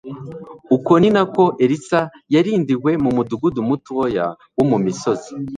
Uko ni nako Elisa yarindiwe mu mudugudu mutoya wo mu misozi.